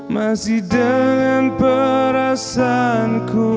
masih dengan perasaanku